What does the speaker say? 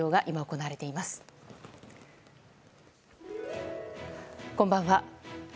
こんばんは。